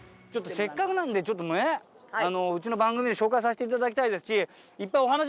せっかくなんでちょっとねうちの番組で紹介させていただきたいですしマジですか。